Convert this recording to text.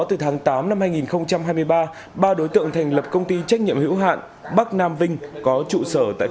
từ tháng tám năm hai nghìn hai mươi ba ba đối tượng thành lập công ty trách nhiệm hữu hạn bắc nam vinh có trụ sở tại